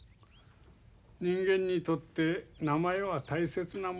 人間にとって名前は大切なものだ。